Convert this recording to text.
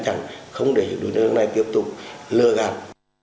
thẳng không để đối tượng này tiếp tục lừa gạt